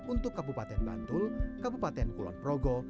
untuk kabupaten bantul kabupaten kulon progo